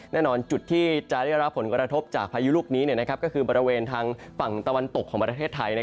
แน่นอนจุดที่จะได้รับผลกระทบจากพายุลูกนี้ก็คือบริเวณทางฝั่งตะวันตกของประเทศไทย